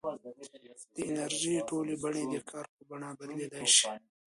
د انرژۍ ټولې بڼې د کار په بڼه بدلېدای شي.